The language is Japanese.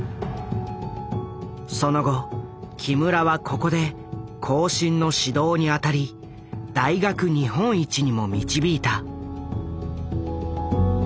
その後木村はここで後進の指導に当たり大学日本一にも導いた。